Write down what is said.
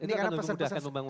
itu akan memudahkan pembangunan